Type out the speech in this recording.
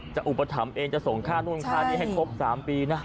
อุปถัมภ์เองจะส่งค่านู่นค่านี้ให้ครบ๓ปีนะ